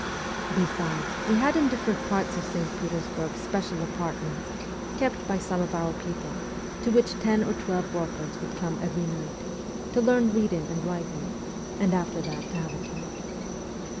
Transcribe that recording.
Besides, we had in different parts of St. Petersburg special apartments, kept by some of our people, to which ten or twelve workers would come every night to learn reading and writing, and after that to have a talk.